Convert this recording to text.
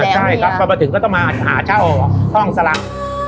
ใช่ครับพอมาถึงก็ต้องมาหาเช่าห้องสลัง